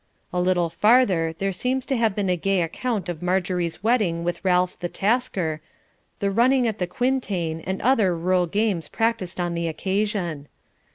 A little farther there seems to have been a gay account of Margery's wedding with Ralph the Tasker, the running at the quintain, and other rural games practised on the occasion.